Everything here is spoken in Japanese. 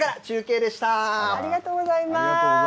ありがとうございます。